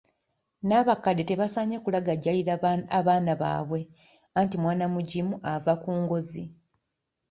N'abakadde tebasaanye kulagajjalira abaana baabwe, anti mwana mugimu ava ku ngozi.